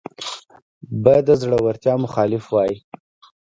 به د زړورتیا مخالف وای